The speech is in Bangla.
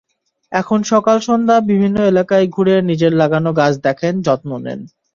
এখন সকাল-সন্ধ্যা বিভিন্ন এলাকায় ঘুরে নিজের লাগানো গাছ দেখেন, যত্ন নেন।